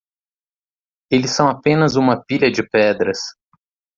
Eles são apenas uma pilha de pedras.